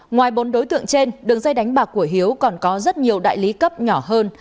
ngoài bốn đối tượng trên đường dây đánh bạc của hiếu còn có rất nhiều đại lý cấp nhỏ hơn